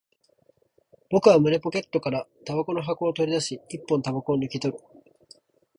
僕は胸ポケットから煙草の箱を取り出し、一本煙草を抜き取る